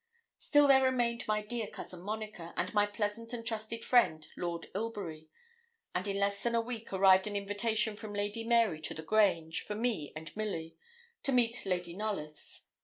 Still there remained my dear Cousin Monica, and my pleasant and trusted friend, Lord Ilbury; and in less than a week arrived an invitation from Lady Mary to the Grange, for me and Milly, to meet Lady Knollys.